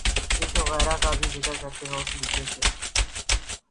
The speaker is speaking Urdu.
عشق وغیرہ کا بھی ذکر ہو تو سلیقے سے۔